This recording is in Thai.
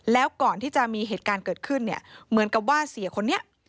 แล้วก่อนที่จะมีเหตุการณ์เกิดขึ้นเนี่ยเหมือนกับว่าเสียคนนี้